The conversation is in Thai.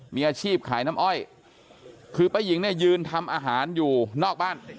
๕๒มีอาชีพขายน้ำอ้อยคือประหญิงได้ยืนทำอาหารอยู่นอก